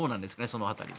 その辺り。